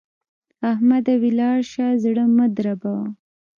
احمده! ولاړ شه؛ زړه مه دربوه.